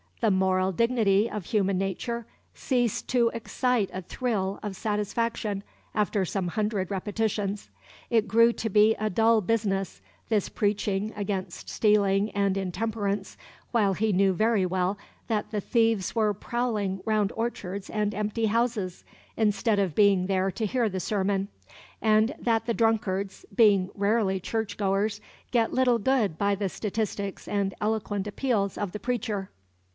"The moral dignity of human nature" ceased to excite a thrill of satisfaction, after some hundred repetitions. It grew to be a dull business, this preaching against stealing and intemperance, while he knew very well that the thieves were prowling round orchards and empty houses, instead of being there to hear the sermon, and that the drunkards, being rarely church goers, get little good by the statistics and eloquent appeals of the preacher.